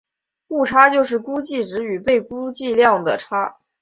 误差就是估计值与被估计量的差。